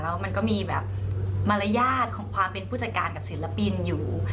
แล้วมันก็มีแบบมารยาทของความเป็นผู้จัดการกับศิลปินอยู่